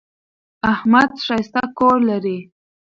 احمد ښایسته کور لري.